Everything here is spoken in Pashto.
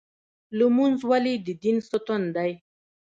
لمونځ ولې د دین ستون دی؟